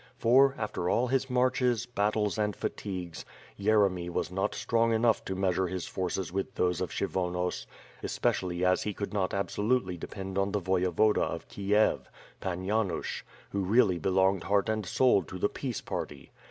For, after all his marches, battles, and fatigues, Yeremy, was not strong enough to measure his forces with those of Kshyvonos especially as he could not absolutely depend on the Voyevoda of Kiev, Pan Janush, who really belonged heart and soul to the peace party.